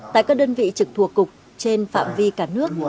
tại các đơn vị trực thuộc cục trên phạm vi cả nước